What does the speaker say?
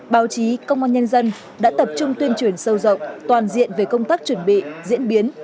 báo chí công an nhân dân đã tập trung tuyên truyền sâu rộng toàn diện về công tác chuẩn bị diễn biến